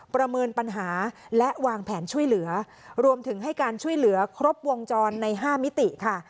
ประเมินปัญหาและวางแผนช่วยเหลือรวมถึงให้การช่วยเหลือครบวงจรใน๕มิติค่ะ